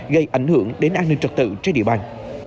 gây ảnh hưởng đến an ninh trật tự trên địa bàn